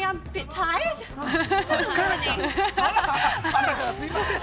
◆朝からすいません。